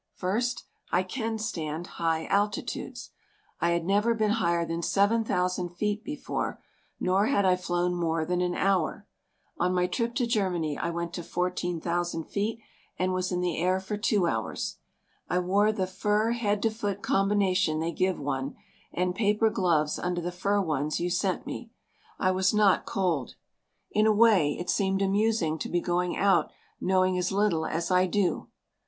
First, I can stand high altitudes. I had never been higher than 7,000 feet before, nor had I flown more than an hour. On my trip to Germany I went to 14,000 feet and was in the air for two hours. I wore the fur head to foot combination they give one and paper gloves under the fur ones you sent me. I was not cold. In a way it seemed amusing to be going out knowing as little as I do.